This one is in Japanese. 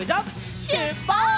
しゅっぱつ！